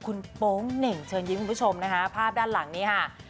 คุณโป๊งเหน่งเชิญยิ้มคุณผู้ชมนะคะภาพด้านหลังนี้ค่ะ